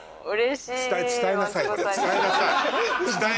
伝えなさい。